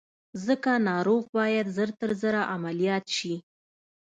ځکه ناروغ بايد ژر تر ژره عمليات شي.